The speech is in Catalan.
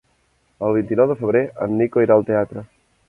El vint-i-nou de febrer en Nico irà al teatre.